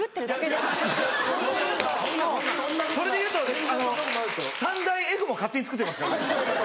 それでいうと三大Ｆも勝手に作ってますよね。